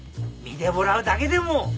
見でもらうだけでも。